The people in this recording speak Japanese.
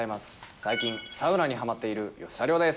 最近、サウナにはまっている吉沢亮です。